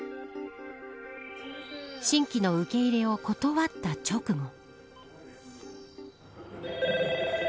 新規の受け入れを断った直後。